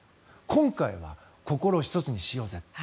今回は、心を１つにしようぜと。